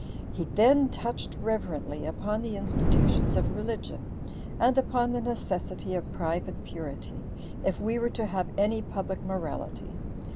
He then touched reverently upon the institutions of religion, and upon the necessity of private purity, if we were to have any public morality.